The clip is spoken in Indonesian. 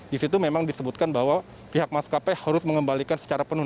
di situ memang disebutkan bahwa pihak maskapai harus mengembalikan secara penuh